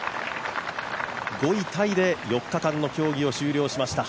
５位タイで４日間の競技を終了しました